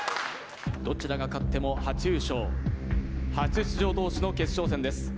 どちらが勝っても初優勝初出場同士の決勝戦です